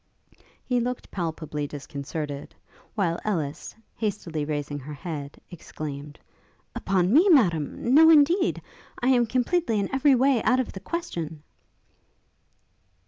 He looked palpably disconcerted; while Ellis, hastily raising her head, exclaimed, 'Upon me, Madam? no, indeed! I am completely and every way out of the question.'